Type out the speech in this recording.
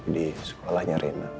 di sekolahnya reina